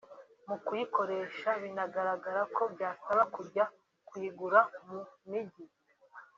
mu kuyikoresha binagaragara ko byasaba kujya kuyigura mu mijyi